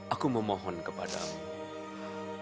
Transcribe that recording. aku memohon kepadamu